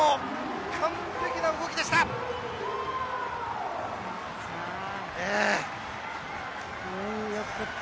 完璧な動きでした。